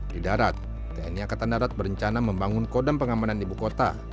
di darat tni angkatan darat berencana membangun kodam pengamanan ibu kota